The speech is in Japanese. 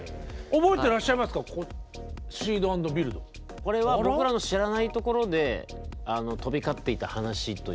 これは僕らの知らないところで飛び交っていた話ということですかね。